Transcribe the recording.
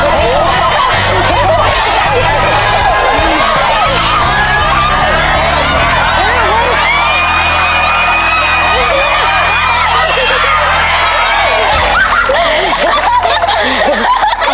พร้อมไหมพร้อมไหมไม่หมดแล้วแม่